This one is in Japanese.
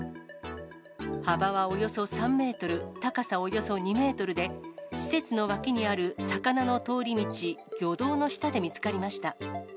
幅はおよそ３メートル、高さおよそ２メートルで、施設の脇にある魚の通り道、魚道の下で見つかりました。